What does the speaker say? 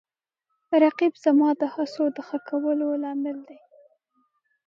رقیب زما د هڅو د ښه کولو لامل دی